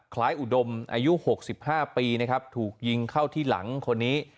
อุดมอายุ๖๕ปีนะครับถูกยิงเข้าที่หลังคนนี้